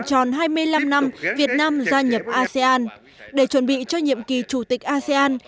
tròn hai mươi năm năm việt nam gia nhập asean để chuẩn bị cho nhiệm kỳ chủ tịch asean